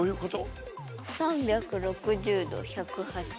３６０度１８０。